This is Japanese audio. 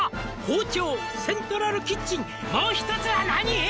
「包丁セントラルキッチンもう一つは何？」